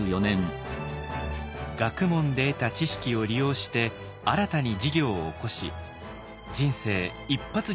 学問で得た知識を利用して新たに事業を起こし人生一発